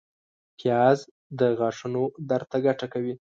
پیاز د غاښونو درد ته ګټه کوي